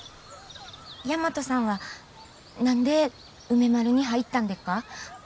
大和さんは何で梅丸に入ったんでっか？